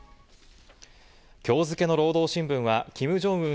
今日付の労働新聞はキム・ジョンウン